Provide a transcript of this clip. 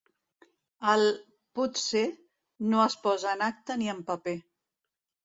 El «potser» no es posa en acta ni en paper.